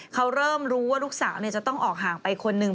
เขาเริ่มรู้ว่าลูกสาวจะต้องออกห่างไปคนหนึ่ง